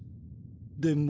でも。